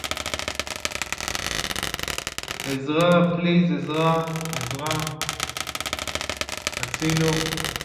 לפיכך מושלמת תוספת קצבת הקיום בהבטחת הכנסה